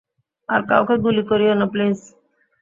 আর কাউকে গুলি করিও না, প্লিজ।